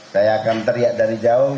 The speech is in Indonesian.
saya akan teriak dari jauh